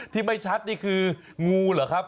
ที่ไม่ชัดนี่คืองูเหรอครับ